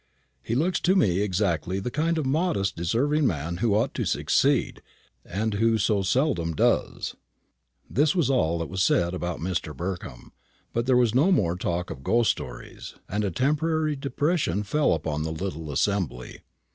He looks to me exactly the kind of modest deserving man who ought to succeed, and who so seldom does." This was all that was said about Mr. Burkham; but there was no more talk of ghost stories, and a temporary depression fell upon the little assembly.